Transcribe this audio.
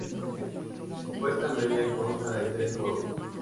Su puesta media consta de tres huevos.